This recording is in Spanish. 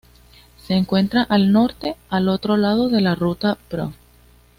Se encuentra al norte, al otro lado de la ruta prov.